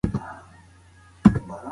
هغه د يو کس پر نظر بسنه نه کوله.